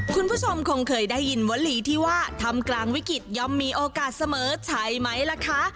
คุณผู้ชมคงเคยได้ยินวลีที่ว่าทำกลางวิกฤตย่อมมีโอกาสเสมอใช่ไหมล่ะคะ